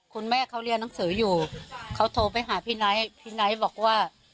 คุณแม่เขาเรียนหนังสืออยู่เขาโทรไปหาพี่ไนท์พี่ไนท์บอกว่า